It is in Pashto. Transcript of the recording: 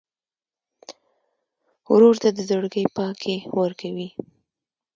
ورور ته د زړګي پاکي ورکوې.